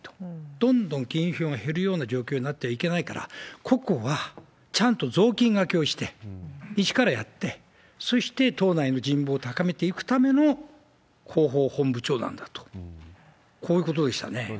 どんどん議員票が減るような状況になってはいけないから、ここはちゃんとぞうきんがけをして、一からやって、そして党内の人望を高めていくための広報本部長なんだと、こういうことでしたね。